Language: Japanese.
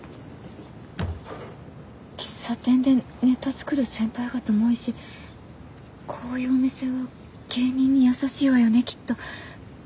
喫茶店でネタ作る先輩方も多いしこういうお店は芸人に優しいわよねきっと。